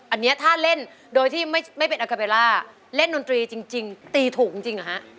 อันนี้ถ้าเล่นโดยที่ไม่เป็นอาคาเบล่าเล่นดนตรีจริงตีถูกจริงเหรอฮะ